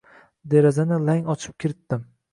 Darvozani lang ochib kiritdim.